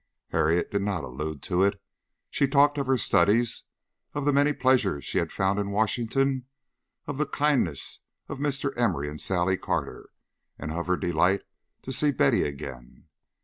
Harriet did not allude to it. She talked of her studies, of the many pleasures she had found in Washington, of the kindness of Mr. Emory and Sally Carter, and of her delight to see Betty again.